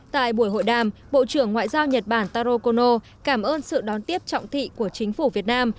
tại buổi hội đàm bộ trưởng ngoại giao nhật bản taro kono cảm ơn sự đón tiếp trọng thị của chính phủ việt nam